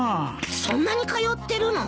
そんなに通ってるの？